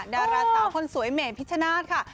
ดาราสาวคนสวยเมพิชชนาธิ์ค่ะ